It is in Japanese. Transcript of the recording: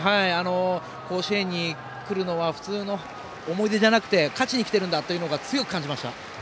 甲子園に来るのは普通の思い出じゃなくて勝ちに来ているんだということを強く感じました。